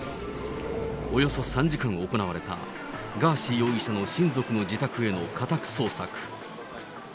およそ３時間行われたガーシー容疑者の親族の自宅への家宅捜索。